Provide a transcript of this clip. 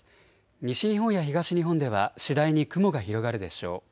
西日本や東日本では次第に雲が広がるでしょう。